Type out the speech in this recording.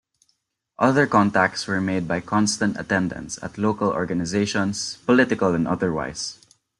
Other contacts were made by constant attendance at local organizations, political and otherwise.